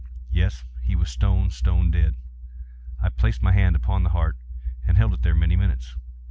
Yes, he was stone, stone dead. I placed my hand upon the heart and held it there many minutes.